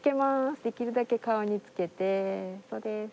できるだけ顔につけてそうです。